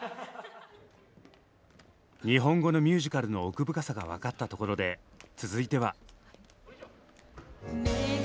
日本語のミュージカルの奥深さが分かったところで続いては。